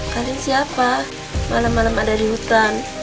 kalian siapa malam malam ada di hutan